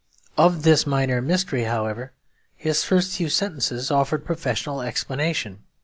Of this minor mystery, however, his first few sentences offered a provisional explanation.